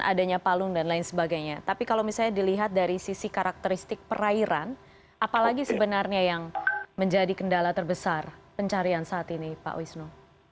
ada kapal selam kecil ada macam macam di situ sudah di lapangan itu